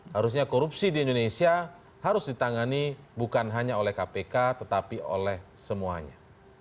harusnya korupsi di indonesia harus ditangani bukan hanya oleh kpk tetapi oleh semuanya